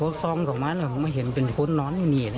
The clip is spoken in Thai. พอวัวไปกินหญ้าอะไรเสร็จเรียบร้อยเสร็จเรียบร้อยเสร็จเรียบร้อย